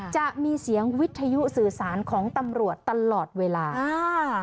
จะมีเสียงวิทยุสื่อสารของตำรวจตลอดเวลาอ่า